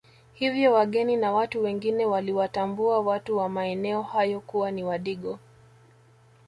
Hivyo wageni na watu wengine waliwatambua watu wa maeneo hayo kuwa ni Wadigo